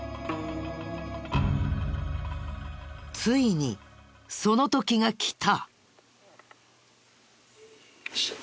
ついにその時がきた。